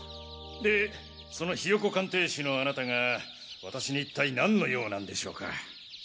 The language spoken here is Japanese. でそのひよこ鑑定士のあなたが私に一体何の用なんでしょうか？